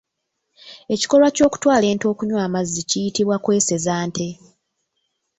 Ekikolwa ky’okutwala ente okunywa amazzi kiyitibwa kweseza nte.